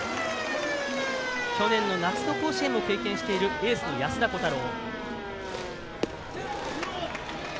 去年の夏の甲子園を経験しているエースの安田虎汰郎。